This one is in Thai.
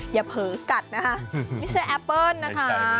เผลอกัดนะคะไม่ใช่แอปเปิ้ลนะคะ